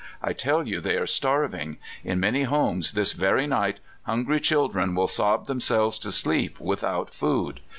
I tell you they are starving! In many homes this very night hungry children will sob themselves to sleep without food!